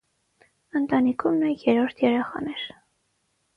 Ընտանիքում նա երրորդ երեխան էր։